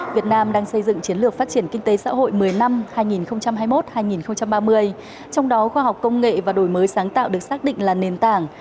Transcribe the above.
việt nam đang xây dựng chiến lược phát triển kinh tế xã hội một mươi năm hai nghìn hai mươi một hai nghìn ba mươi trong đó khoa học công nghệ và đổi mới sáng tạo được xác định là nền tảng